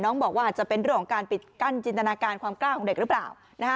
บอกว่าอาจจะเป็นเรื่องของการปิดกั้นจินตนาการความกล้าของเด็กหรือเปล่า